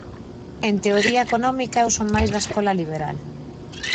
En teoría económica eu son máis da escola liberal.